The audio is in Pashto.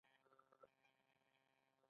د اضافي ارزښت یوه برخه په پانګه بدلېږي